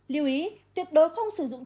lưu ý tuyệt đối không sử dụng